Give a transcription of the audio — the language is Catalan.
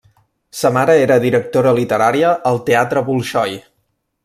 Sa mare era directora literària al Teatre Bolxoi.